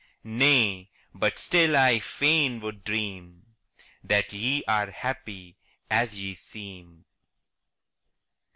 Nay but still I fain would dream That ye are happy as ye seem.